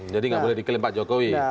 jadi nggak boleh diklaim pak jokowi